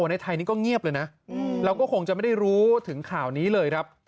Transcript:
ในไทยนี้ก็เงียบเลยนะเราก็คงจะไม่ได้รู้ถึงข่าวนี้เลยครับ